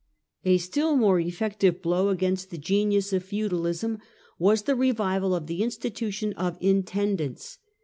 A still more effective blow against the genius of feudalism was the revival of the institution of 1 intend The in ants.